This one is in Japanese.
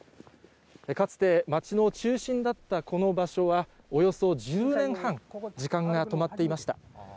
かつて町の中心だったこの場所は、およそ１０年半、時間が止まっていました。